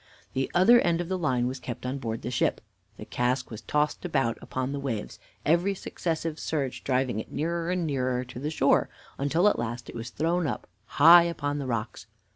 The other end of the line was kept on board the ship. The cask was tossed about upon the waves, every successive surge driving it in nearer and nearer to the shore, until at last it was thrown up high upon the rocks.